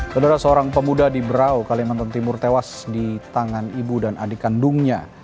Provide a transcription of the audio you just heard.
saudara seorang pemuda di berau kalimantan timur tewas di tangan ibu dan adik kandungnya